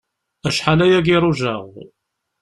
Acḥal ayagi i rujaɣ.